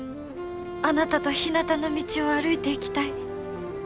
あなたとひなたの道を歩いていきたい。